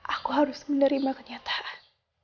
aku harus menerima kenyataan